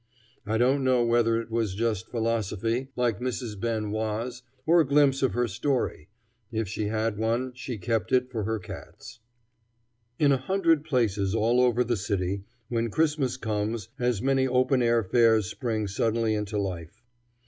I don't know whether it was just philosophy, like Mrs. Ben Wah's, or a glimpse of her story. If she had one, she kept it for her cats. In a hundred places all over the city, when Christmas comes, as many open air fairs spring suddenly into life.